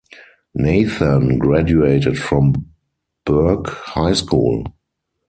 Nathan graduated from Burch High School.